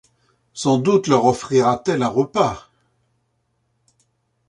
Sans doute leur offrira-t-elle un repas.